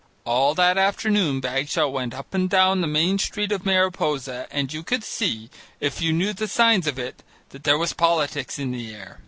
All that afternoon, Bagshaw went up and down the Main Street of Mariposa, and you could see, if you knew the signs of it, that there was politics in the air.